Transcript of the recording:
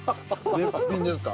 絶品ですか？